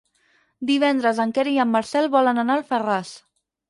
Divendres en Quer i en Marcel volen anar a Alfarràs.